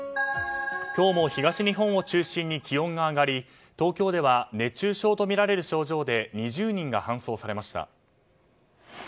今日も東日本を中心に気温が上がり東京では熱中症とみられる症状で２０人が搬送されました。